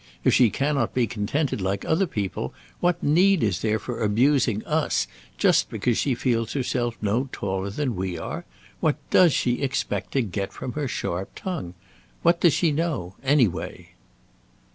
If she cannot be contented like other people, what need is there for abusing us just because she feels herself no taller than we are? What does she expect to get from her sharp tongue? What does she know, any way?"